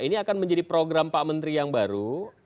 ini akan menjadi program pak menteri yang baru